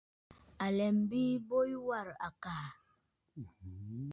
À lɛ biinə bo yu warə̀ àkàà.